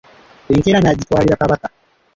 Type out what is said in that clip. Enkeera n’agyitwalira Kabaka.